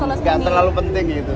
nggak terlalu penting gitu